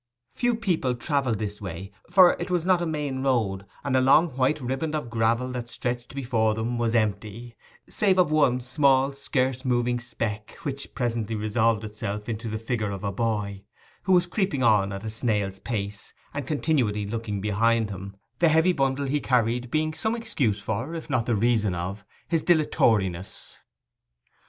Few people travelled this way, for it was not a main road; and the long white riband of gravel that stretched before them was empty, save of one small scarce moving speck, which presently resolved itself into the figure of boy, who was creeping on at a snail's pace, and continually looking behind him—the heavy bundle he carried being some excuse for, if not the reason of, his dilatoriness.